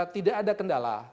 tidak ada kendala